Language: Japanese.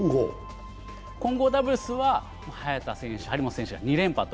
混合ダブルスは張本選手・早田選手が２連覇と。